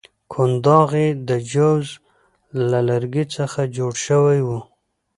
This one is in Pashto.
کنداغ یې د جوز له لرګي څخه جوړ شوی وو.